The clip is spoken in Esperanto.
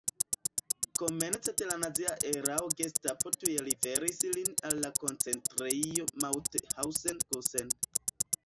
Komence de la nazia erao Gestapo tuj liveris lin al Koncentrejo Mauthausen-Gusen.